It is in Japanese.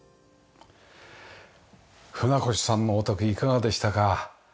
船越さんのお宅いかがでしたか？